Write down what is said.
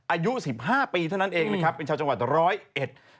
อายุ๑๕ปีเท่านั้นเองเป็นชาวจังหวัด๑๐๑